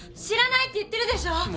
知らないって言ってるでしょ！